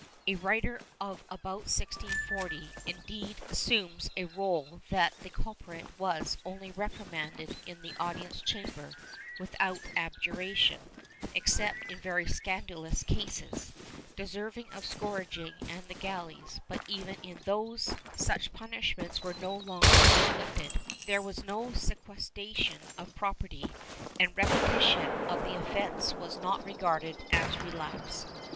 A writer of about 1640, indeed, assumes as a rule that the culprit was only reprimanded in the audience chamber, without abjura tion, except in very scandalous cases, deserving of scourging and the galleys, but even in these such punishments were no longer inflicted. There was no sequestration of property, and repetition of the offence was not regarded as relapse.